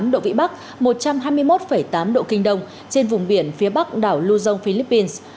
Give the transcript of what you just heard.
một mươi độ vĩ bắc một trăm hai mươi một tám độ kinh đông trên vùng biển phía bắc đảo luzon philippines